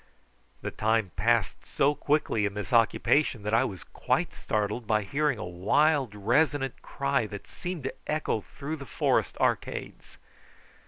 The time passed so quickly in this occupation that I was quite startled by hearing a wild resonant cry that seemed to echo through the forest arcades.